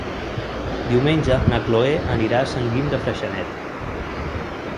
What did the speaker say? Diumenge na Cloè anirà a Sant Guim de Freixenet.